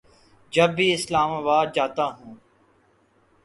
جب بھی اسلام آباد جاتا ہوں